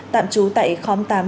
tạm trú tại khóm tám